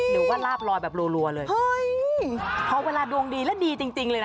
หรือว่าลาบลอยแบบรัวเลยเฮ้ยพอเวลาดวงดีแล้วดีจริงเลยนะ